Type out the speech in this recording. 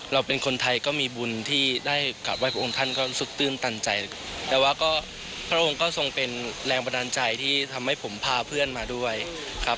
เราเป็นคนไทยก็มีบุญที่ได้กลับไห้พระองค์ท่านก็สุดตื้นตันใจแต่ว่าก็พระองค์ก็ทรงเป็นแรงบันดาลใจที่ทำให้ผมพาเพื่อนมาด้วยครับ